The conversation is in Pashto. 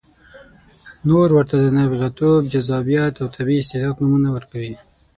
نور ورته د نابغتوب، جذابیت او طبیعي استعداد نومونه ورکوي.